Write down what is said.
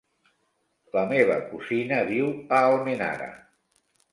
La meva cosina viu a Almenara.